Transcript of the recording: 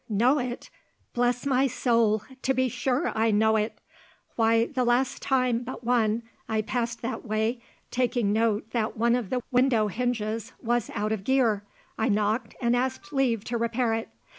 "Know it? Bless my soul, to be sure I know it! Why, the last time but one I passed that way, taking note that one of the window hinges was out of gear, I knocked and asked leave to repair it.